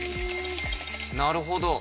なるほど。